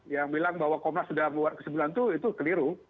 yang bilang bahwa komnas sudah membuat kesimpulan itu keliru